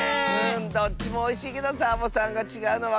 どっちもおいしいけどサボさんがちがうのわかっちゃった。